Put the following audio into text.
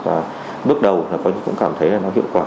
và bước đầu cũng cảm thấy hiệu quả